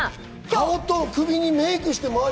顔と首にメイクして。